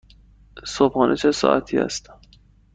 صبحانه چه ساعتی است؟